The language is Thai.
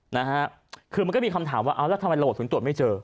นะฮะคือมันก็มีคำถามว่าเอาล่ะทำไมโหลดสูญตรวจไม่เจอ